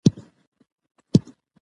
ملګري یو بل ته ریښتینې مشورې ورکوي